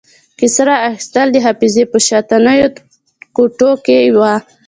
کیسه را اخیستل د حافظې په شاتنیو کوټو کې وو.